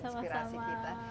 sudah menginspirasi kita